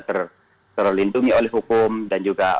terlindungi oleh hukum dan juga